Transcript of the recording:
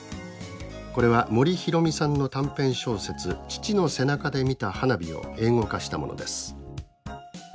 これは森浩美さんの短編小説「父の背中で見た花火」を英語化したものです。